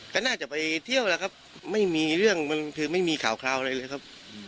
ก็น่าจะไปเที่ยวล่ะครับไม่มีเรื่องไม่มีข่าวอะไรเลยครับ